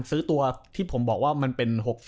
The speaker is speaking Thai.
ซื้อตัวที่ผมบอกว่ามันเป็น๖๐